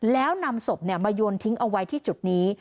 แล้วนำศพมาโยนทิ้งเอาไว้ที่จุดนี้